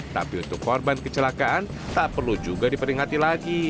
tapi untuk korban kecelakaan tak perlu juga diperingati lagi